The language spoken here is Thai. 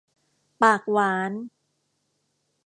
ปากหวาน